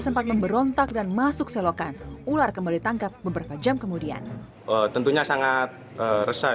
sempat memberontak dan masuk selokan ular kembali tangkap beberapa jam kemudian tentunya sangat resah